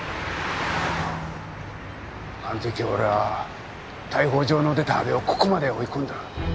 あの時俺は逮捕状の出た阿部をここまで追い込んだ。